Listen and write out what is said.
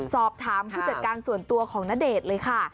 สอบถามผู้จัดการส่วนตัวของณเดชน์เลยค่ะ